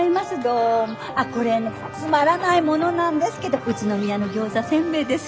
あっこれねつまらないものなんですけど宇都宮の餃子煎餅です。